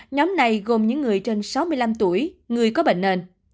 nhóm này gồm những người trên sáu mươi năm tuổi người có bệnh nền